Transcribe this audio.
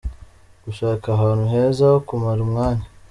"Gushaka ahantu heza ho kumara umwanya.